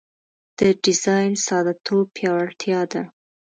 د ډیزاین ساده توب پیاوړتیا ده.